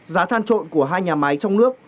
giá than trộn của hai nhà máy trong nước